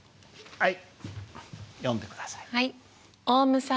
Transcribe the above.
はい。